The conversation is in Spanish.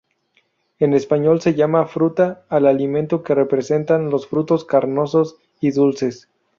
En español se llama fruta al alimento que representan los frutos carnosos y dulces.